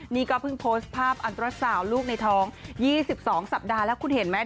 นี่ก็เพิ่งโพสต์ภาพอันตรสาวลูกในท้อง๒๒สัปดาห์แล้วคุณเห็นไหม